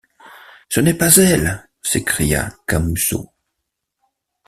Ce n’est pas elle! s’écria Camusot.